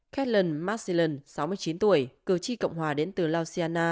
katelyn marcellin sáu mươi chín tuổi cựu tri cộng hòa đến từ lausiana